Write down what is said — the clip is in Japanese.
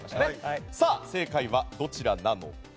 正解はどちらなのか。